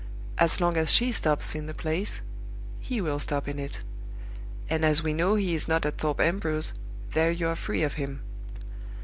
As long as she stops in the place, he will stop in it; and as we know he is not at Thorpe Ambrose, there you are free of him!